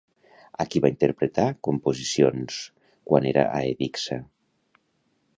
A qui va interpretar composicions quan era a Edigsa?